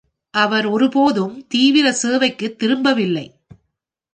அவர் ஒருபோதும் தீவிர சேவைக்குத் திரும்பவில்லை.